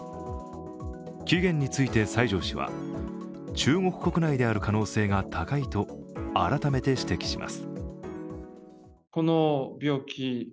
起源について西條氏は、中国国内である可能性が高いと、改めて指摘します。